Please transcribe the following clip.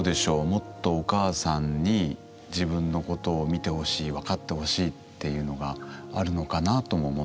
もっとお母さんに自分のことを見てほしいわかってほしいっていうのがあるのかなとも思ったんですが。